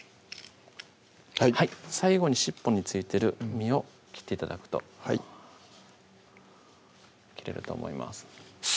最後に尻尾に付いてる身を切って頂くと切れると思います